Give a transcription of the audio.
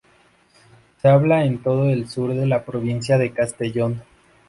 Se habla en todo el sur de la provincia de Castellón.